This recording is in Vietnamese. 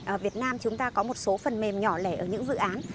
ở việt nam chúng ta có một số phần mềm nhỏ lẻ ở những dự án